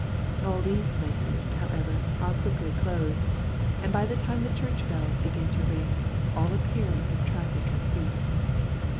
All these places, however, are quickly closed; and by the time the church bells begin to ring, all appearance of traffic has ceased.